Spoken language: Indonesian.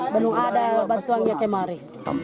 benar benar ada yang bantuannya kemari